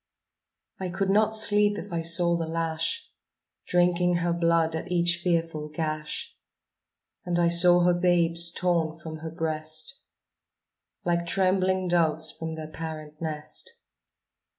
I could not sleep if I saw the lash Drinking her blood at each fearful gash, And I saw her babes torn from her breast, Like trembling doves from their parent nest.